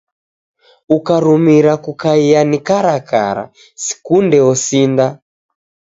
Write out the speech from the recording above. Ukarumira kukaia ni karakara, sikunde osinda.